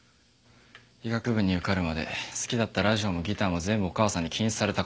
医学部に受かるまで好きだったラジオもギターも全部お母さんに禁止されたから。